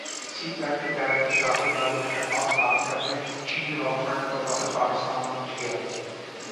سی pack کے تحت شراکت داری میں خدمات فراہم کرنے چینی لا فرم کا وفد پاکستان پہنچ گیا